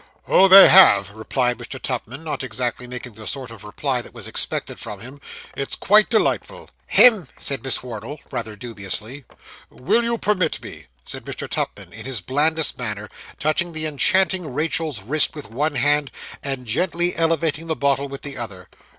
'Oh, they have,' replied Mr. Tupman, not exactly making the sort of reply that was expected from him. 'It's quite delightful.' 'Hem!' said Miss Wardle, rather dubiously. 'Will you permit me?' said Mr. Tupman, in his blandest manner, touching the enchanting Rachael's wrist with one hand, and gently elevating the bottle with the other.